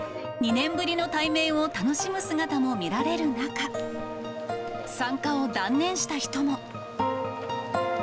２年ぶりの対面を楽しむ姿も見られる中、参加を断念した人も。